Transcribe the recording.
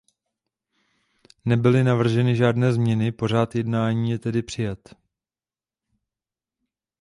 Nebyly navrženy žádné změny, pořad jednání je tedy přijat.